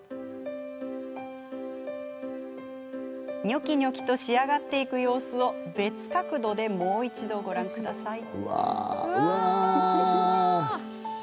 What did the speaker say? にょきにょきと仕上がっていく様子を別角度でもう一度ご覧ください。